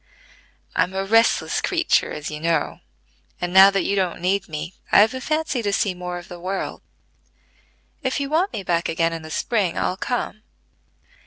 I'm a restless creature as you know; and, now that you don't need me, I've a fancy to see more of the world. If you want me back again in the spring, I'll come."